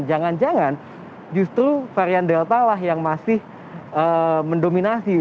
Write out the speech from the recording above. jangan jangan justru varian delta lah yang masih mendominasi